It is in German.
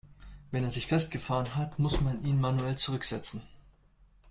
Wenn er sich festgefahren hat, muss man ihn manuell zurücksetzen.